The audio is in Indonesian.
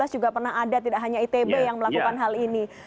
dua ribu tujuh belas juga pernah ada tidak hanya itb yang melakukan hal ini